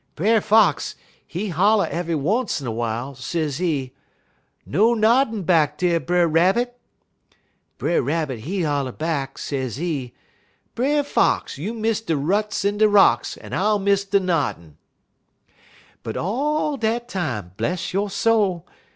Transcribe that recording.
Brer Fox, he holler ev'y once in a w'ile, sezee: "'No noddin' back dar, Brer Rabbit!' "Brer Rabbit he holler back, sezee: "'Brer Fox, you miss de ruts en de rocks, un I'll miss de noddin'.' "But all dat time, bless yo' soul!